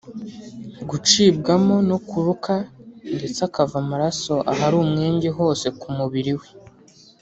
gucibwamo no kuruka ndetse akava amaraso ahari umwenge hose ku mubiri we